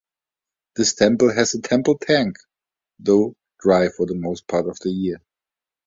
This temple has a Temple tank, though dry for most part of the year.